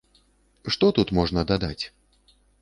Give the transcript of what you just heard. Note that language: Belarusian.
Што тут можна дадаць?!